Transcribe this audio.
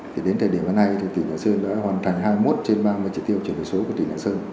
thì đến thời điểm hiện nay thì tỉnh lạng sơn đã hoàn thành hai mươi một trên ba mươi chỉ tiêu chuyển đổi số của tỉnh lạng sơn